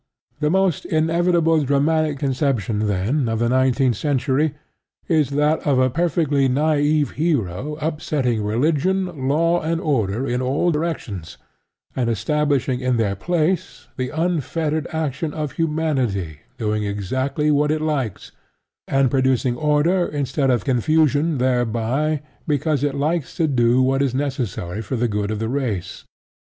The most inevitable dramatic conception, then, of the nineteenth century, is that of a perfectly naive hero upsetting religion, law and order in all directions, and establishing in their place the unfettered action of Humanity doing exactly what it likes, and producing order instead of confusion thereby because it likes to do what is necessary for the good of the race.